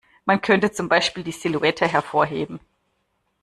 Man könnte zum Beispiel die Silhouette hervorheben.